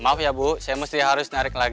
maaf ya bu saya mesti harus narik lagi